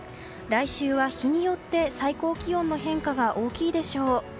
来週は日によって最高気温の変化が大きいでしょう。